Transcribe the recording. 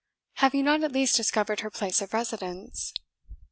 Have you not at least discovered her place of residence?"